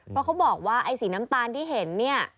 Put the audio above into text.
เพราะเขาบอกว่าไอ้สีน้ำตาลที่เห็นเนี่ย